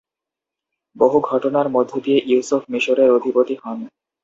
বহু ঘটনার মধ্য দিয়ে ইউসুফ মিশরের অধিপতি হন।